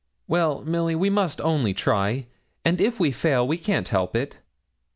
'Well, Milly, we must only try; and if we fail we can't help it.